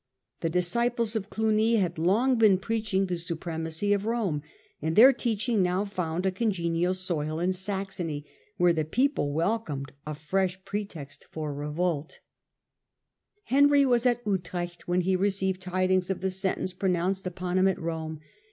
The disciples of Olugny had long been preaching the supremacy of Rome, and their teaching now found a congenial soil in Saxony, where the people welcomed a fresh pretext for revolt. Henry Digitized by VjOOQIC Henry IV. under the Ban 121 was at Utrectt when he received tidings of the seDtence pronounced upon him at Borne.